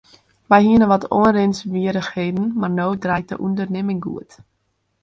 Wy hiene wat oanrinswierrichheden mar no draait de ûndernimming goed.